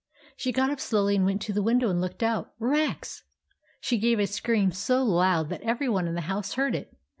She got up slowly and went to the win dow and looked out. Rex! She gave a scream so loud that every one in the house heard it.